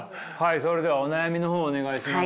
それではお悩みの方をお願いします。